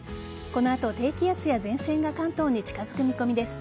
この後、低気圧や前線が関東に近づく見込みです。